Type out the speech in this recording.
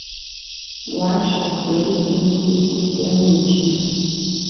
Walsh was buried in City Cemetery.